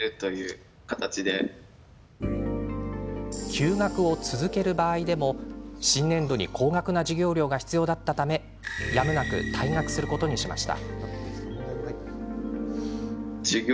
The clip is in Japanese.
休学を続ける場合でも、新年度に高額な授業料が必要だったためやむなく退学することにしました。